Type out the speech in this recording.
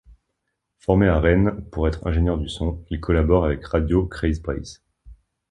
Formé à Rennes pour être ingénieur du son, il collabore avec Radio Kreiz Breizh.